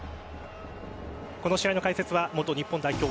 この試合の解説は元日本代表